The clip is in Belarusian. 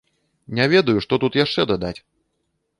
Не ведаю, што тут яшчэ дадаць!